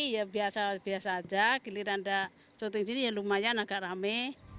ya biasa biasa aja giliran ada syuting sini ya lumayan agak rame